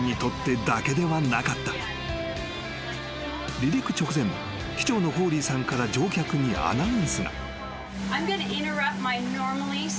［離陸直前機長のホーリーさんから乗客にアナウンスが］